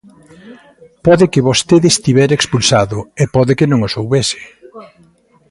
Pode que vostede estivera expulsado, e pode que non o soubese.